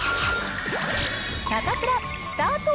サタプラ、スタート。